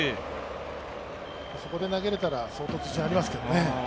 そこで投げれたら相当実力ありますけどね。